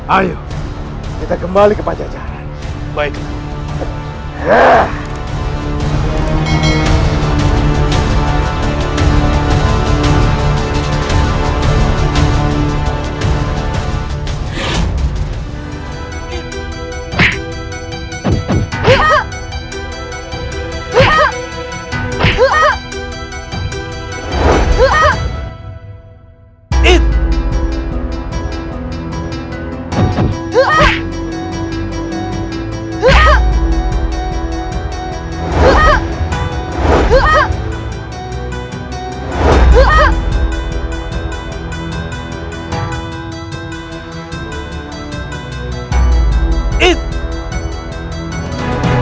ayo kita kembali ke pajak jalan